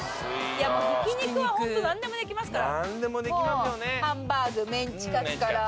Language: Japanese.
ひき肉はホント何でもできますから。